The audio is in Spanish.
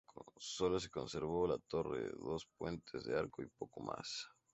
Sólo se conservó la torre, dos puentes de arco y poco más.